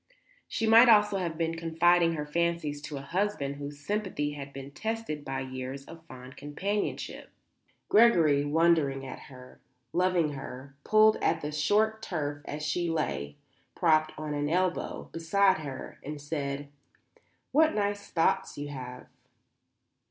She might almost have been confiding her fancies to a husband whose sympathy had been tested by years of fond companionship. Gregory, wondering at her, loving her, pulled at the short turf as he lay, propped on an elbow, beside her, and said: "What nice thoughts you have."